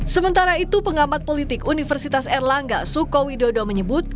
sementara itu pengamat politik universitas erlangga suko widodo menyebut